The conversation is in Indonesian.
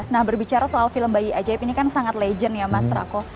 nah berbicara soal film bayi ajaib ini kan sangat legend ya mas rako